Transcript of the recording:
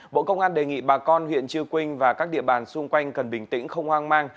bộ công an đề nghị bà con huyện chư quynh và các địa bàn xung quanh cần bình tĩnh không hoang mang